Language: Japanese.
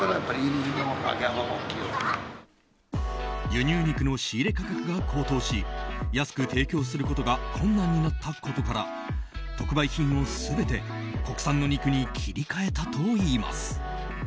輸入肉の仕入れ価格が高騰し安く提供することが困難になったことから特売品を全て国産の肉に切り替えたといいます。